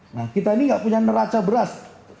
nah kita ini nggak punya neraca beras